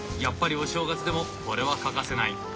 やっぱりお正月でもこれは欠かせない！